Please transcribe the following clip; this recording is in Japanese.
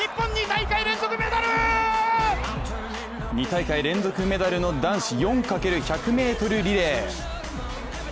２大会連続メダルの男子４×１００ｍリレー。